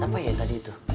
apa ya tadi tuh